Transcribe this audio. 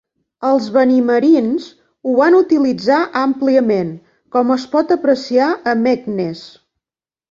Els benimerins ho van utilitzar àmpliament, com es pot apreciar a Meknès.